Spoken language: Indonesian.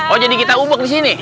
oh jadi kita umek di sini